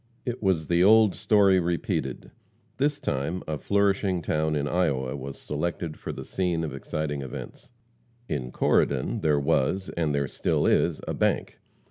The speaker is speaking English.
It was the old story repeated. This time a flourishing town in Iowa was selected for the scene of exciting events. In Corydon there was, and there still is, a bank.